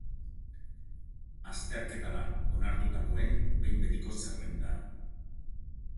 Azterketara onartutakoen behin-betiko zerrenda.